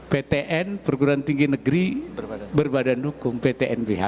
ptn perguruan tinggi negeri berbadan hukum ptnbh